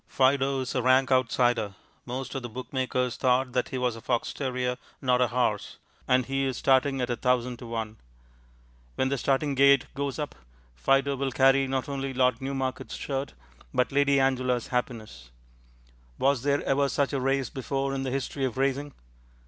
Fido is a rank outsider most of the bookmakers thought that he was a fox terrier, not a horse and he is starting at a thousand to one. When the starting gate goes up, Fido will carry not only Lord Newmarket's shirt, but Lady Angela's happiness. Was there ever such a race before in the history of racing?